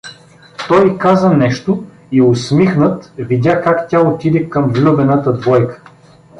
Той й каза нещо и усмихнат, видя как тя отиде към влюбената двойка.